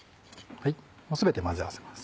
もう全て混ぜ合わせます。